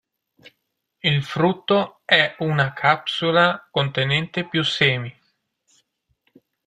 Il frutto è una capsula contenente più semi.